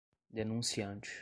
denunciante